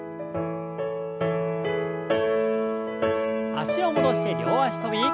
脚を戻して両脚跳び。